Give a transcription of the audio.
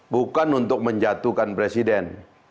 bukan untuk menjatuhkan presiden